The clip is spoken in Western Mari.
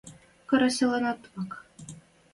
Карасилӓнӓт вӓк